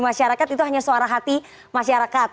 masyarakat itu hanya suara hati masyarakat